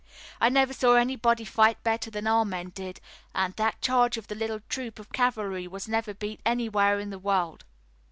"I never saw anybody fight better than our men did, an' that charge of the little troop of cavalry was never beat anywhere in the world.